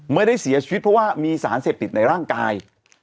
ไม่ได้เสียชีวิตเพราะว่ามีสารเสพติดในร่างกาย